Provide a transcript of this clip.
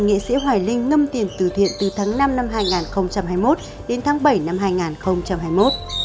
nghệ sĩ hoài linh ngâm tiền từ thiện từ tháng năm năm hai nghìn hai mươi một đến tháng bảy năm hai nghìn hai mươi một